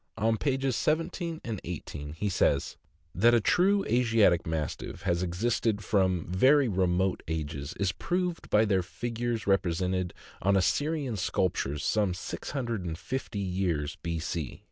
On pages 17 and 18 he says: " That a true Asiatic Mastiff has existed from very remote ages is proved by their figures represented on Assyrian sculptures some 650 years B. C.